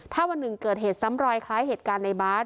ถ้าวันหนึ่งเกิดเหตุซ้ำรอยคล้ายเหตุการณ์ในบาส